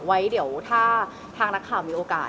ไว้เดี๋ยวถ้าทางนักข่าวมีโอกาส